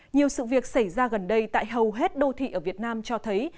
nhiều sự việc xảy ra gần đây tại hầu hết đô thị ở việt nam cho thấy